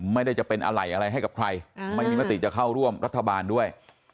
ไม่ได้จะเป็นอะไรอะไรให้กับใครไม่มีมติจะเข้าร่วมรัฐบาลด้วย